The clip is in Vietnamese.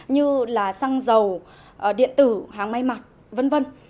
như là xăng dầu điện tử hàng may mặt v v